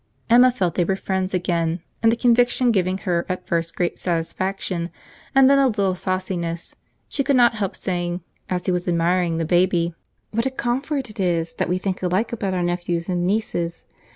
Emma felt they were friends again; and the conviction giving her at first great satisfaction, and then a little sauciness, she could not help saying, as he was admiring the baby, "What a comfort it is, that we think alike about our nephews and nieces.